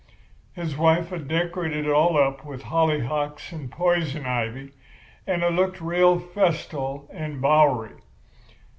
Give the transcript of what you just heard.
His wife had decorated it all up with hollyhocks and poison ivy, and it looked real festal and bowery.